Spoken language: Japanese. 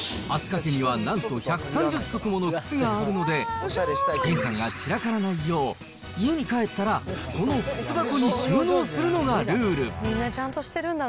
蓮香家にはなんと１３０足もの靴があるので、玄関が散らからないよう、家に帰ったらこの靴箱に収納するのがルール。